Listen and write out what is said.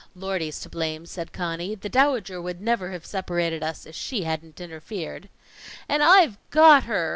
"Lordy's to blame," said Conny. "The Dowager never would have separated us if she hadn't interfered." "And I've got her!"